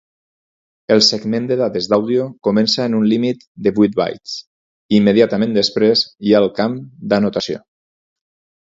El segment de dades d'àudio comença en un límit de vuit "bytes" i immediatament després hi ha el camp d'anotació.